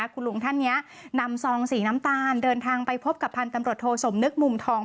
คุณลุงท่านนี้นำซองสีน้ำตาลเดินทางไปพบกับพันธุ์ตำรวจโทสมนึกมุมทอง